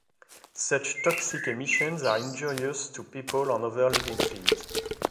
Such toxic emissions are injurious to people and other living things.